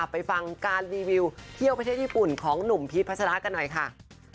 ไปฟังการรีวิวเที่ยวประเทศญี่ปุ่นของหนุ่มพีชพัชรากันหน่อยค่ะ